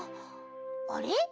あれ？